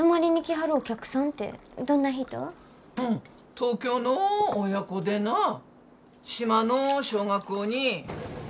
東京の親子でな島の小学校に。